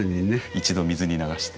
一度水に流して。